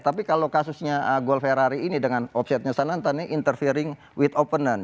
tapi kalau kasusnya gol ferrari ini dengan offside nya sana nanti interfering with opponent